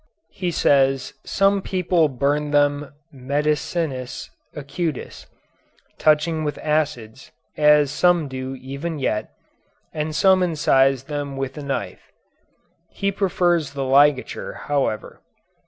He says some people burn them medicinis acutis (touching with acids, as some do even yet), and some incise them with a knife. He prefers the ligature, however.